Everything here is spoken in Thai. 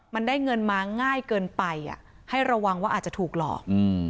มันได้เงินมาง่ายเกินไปอ่ะให้ระวังว่าอาจจะถูกหลอกอืม